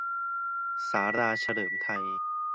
ศาลาเฉลิมไทย